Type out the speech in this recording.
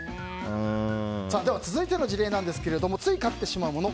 続いての事例なんですがつい買ってしまうもの